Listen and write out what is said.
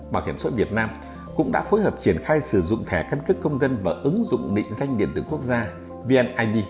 bảo hiểm số việt nam cũng đã phối hợp triển khai sử dụng thẻ căn cứ công dân và ứng dụng định danh điện từ quốc gia vnid